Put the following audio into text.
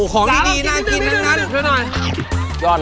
ของนี่ดีน่ากินดีน่าอยากกินหน่อย